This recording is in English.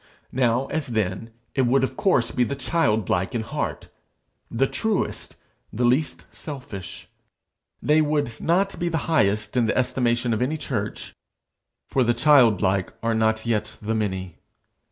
Now, as then, it would of course be the childlike in heart, the truest, the least selfish. They would not be the highest in the estimation of any church, for the childlike are not yet the many.